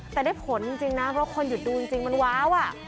แต่ได้ผลจริงนะเพราะคนหยุดดูจริงมันว้าว